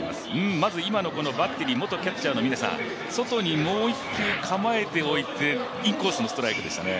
まず今のこのバッテリー元キャッチャーの峰さん、外にもう１球構えておいて、インコースのストライクでしたね。